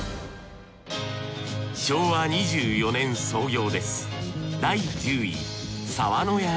昭和２４年創業です